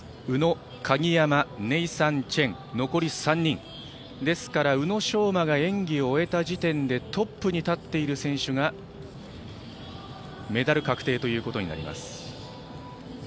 宇野、鍵山、ネイサン・チェン残り３人、ですから宇野昌磨が演技を終えた時点でトップに立っている選手がメダル確定ということになります。